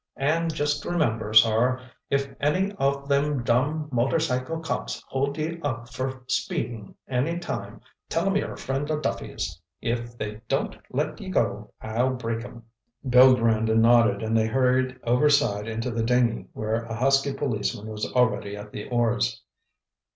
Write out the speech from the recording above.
And just remember, sor, if any o' thim dumb motorcycle cops hold ye up fer speedin' any time, tell 'em you're a friend o' Duffy's! If they don't let ye go, I'll break 'em." Bill grinned and nodded and they hurried overside into the dinghy where a husky policeman was already at the oars.